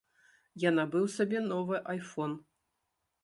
Я набыў сабе новы айфон.